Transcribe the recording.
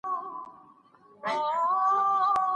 پاک محیط د انسان ذهن اراموي.